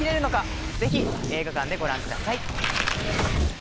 ぜひ映画館でご覧ください。